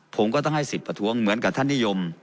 ผมก็ต้องให้สิทธิ์ประท้วงเหมือนกับท่านนิยม